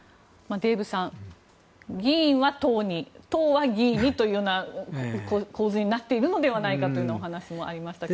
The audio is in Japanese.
デーブさん、議員は党に党は議員にというような構図になっているのではというお話もありましたが。